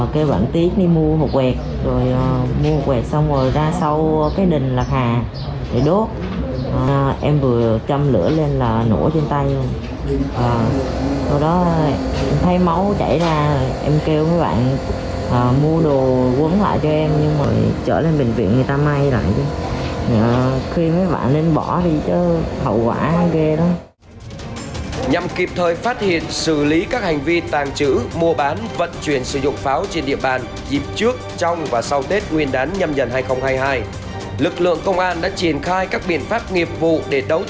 kêu bạn tiết đi mua một huệt mua một huệt xong rồi ra sau đỉnh lạc hà để đốt